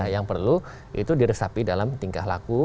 yang perlu itu diresapi dalam tingkah laku